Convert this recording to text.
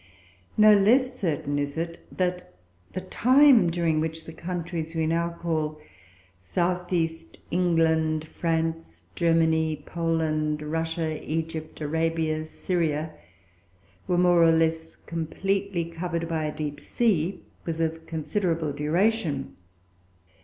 No less certain it is that the time during which the countries we now call south east England, France, Germany, Poland, Russia, Egypt, Arabia, Syria, were more or less completely covered by a deep sea, was of considerable duration.